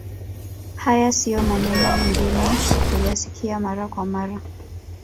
Hayo sio maneno mageni kuyasikia mara kwa mara